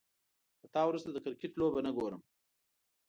له تا وروسته، د کرکټ لوبه نه ګورم